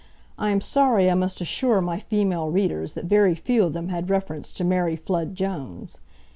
I am sorry I must assure my female readers that very few of them had reference to Mary Flood Jones.